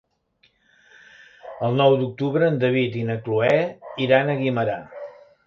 El nou d'octubre en David i na Cloè iran a Guimerà.